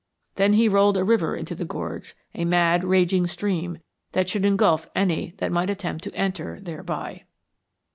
Then he rolled a river into the gorge, a mad, raging stream, that should engulf any that might attempt to enter thereby."